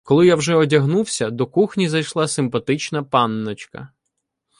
Коли я вже одягнувся, до кухні зайшла симпатична панночка.